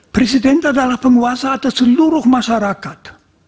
presiden adalah penguasa atas seluruh masyarakat